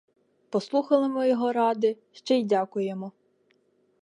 Послухали ми його ради, ще й дякуємо.